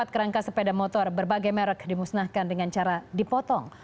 empat kerangka sepeda motor berbagai merek dimusnahkan dengan cara dipotong